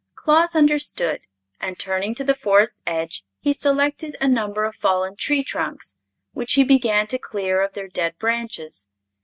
Claus understood, and turning to the Forest's edge he selected a number of fallen tree trunks, which he began to clear of their dead branches.